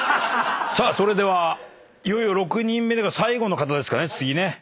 さあそれではいよいよ６人目最後の方ですかね次ね。